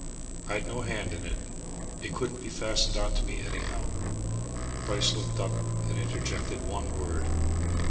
I'd no hand in it it couldn't be fastened on to me, anyhow." Bryce looked up and interjected one word.